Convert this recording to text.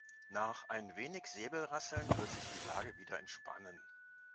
Nach ein wenig Säbelrasseln wird sich die Lage wieder entspannen.